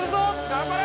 頑張れ！